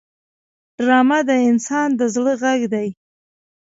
ډرامه د انسان د زړه غږ دی